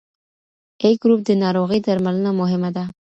A ګروپ د ناروغۍ درملنه مهمه ده.